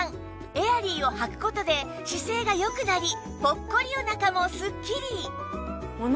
エアリーをはく事で姿勢が良くなりポッコリお腹もスッキリ！